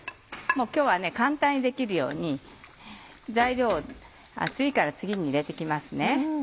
今日は簡単にできるように材料を次から次に入れて行きますね。